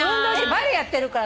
バレエやってるから。